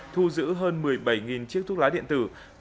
thu giữ hơn một mươi bảy chiếc thuốc lá điện tử